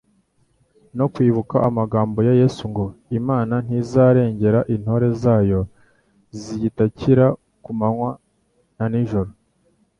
no kwibuka amagambo ya Yesu ngo: "Imana ntizarengera intore zayo ziyitakira ku manywa na nijoro?